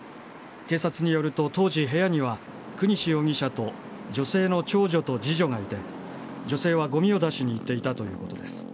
警察によると、当時、部屋には國司容疑者と女性の長女と次女がいて、女性はごみを出しに行っていたということです。